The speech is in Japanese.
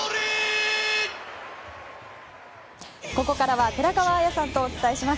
ここからは寺川綾さんとお伝えします。